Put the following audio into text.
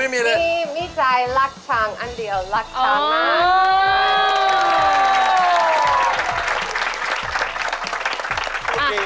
มีใจรักษังอันเดียวรักษามาก